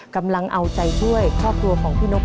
กำลังเอาใจช่วยครอบครัวของพี่นก